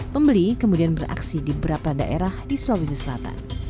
pembeli kemudian beraksi di beberapa daerah di sulawesi selatan